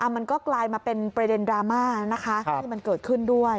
มันก็กลายมาเป็นประเด็นดราม่านะคะที่มันเกิดขึ้นด้วย